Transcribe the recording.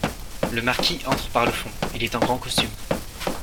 Le marquis entre par le fond, il est en grand costume.